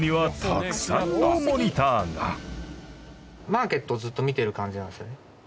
マーケットをずっと見てる感じなんですよね。